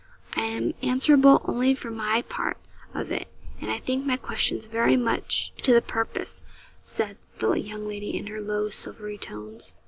'I am answerable only for my part of it; and I think my questions very much to the purpose,' said the young lady, in her low, silvery tones.